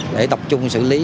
để tập trung xử lý